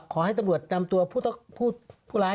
ขอให้ตำรวจนำตัวผู้ร้าย